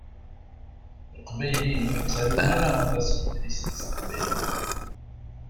Iqbayliyen ur ttarun ara aṭas idlisen s teqbaylit.